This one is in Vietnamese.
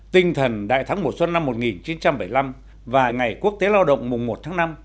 tinh thần đại thắng mùa xuân năm một nghìn chín trăm bảy mươi năm và ngày quốc tế lao động mùng một tháng năm